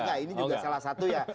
enggak ini juga salah satu ya